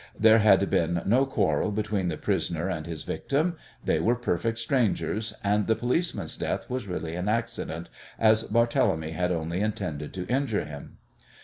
There had been no quarrel between the prisoner and his victim; they were perfect strangers, and the policeman's death was really an accident, as Barthélemy had only intended to injure him.